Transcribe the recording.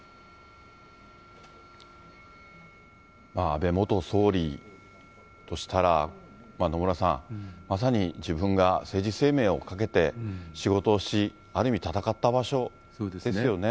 安倍元総理としたら、野村さん、まさに自分が政治生命をかけて仕事をし、ある意味、戦った場所ですよね。